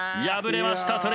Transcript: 敗れました